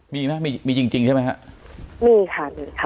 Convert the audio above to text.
มีมั้ยมีจริงใช่ไหมครับ